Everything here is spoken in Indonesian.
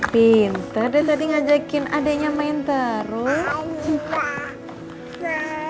pinter deh tadi ngajakin adeknya main terus